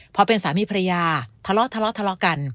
พอเป็นสามีภรรยาทะเลาะกัน